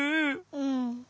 うん。